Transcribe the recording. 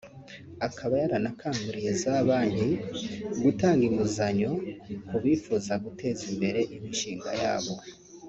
akaba yaranakanguriye za banki gutanga inguzanyo ku bifuza guteza imbere imishinga yabo